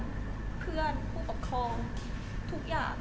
กับเพื่อนผู้บังคลทุกอย่าง